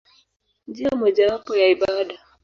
Njia mojawapo ya ibada.